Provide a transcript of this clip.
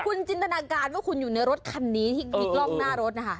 คุณจินตนาการว่าคุณอยู่ในรถคันนี้ที่มีกล้องหน้ารถนะคะ